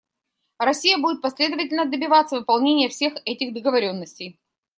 Россия будет последовательно добиваться выполнения всех этих договоренностей.